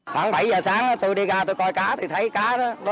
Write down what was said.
kháng bảy giờ sáng tôi đi gà tôi coi cá thì thấy cá đó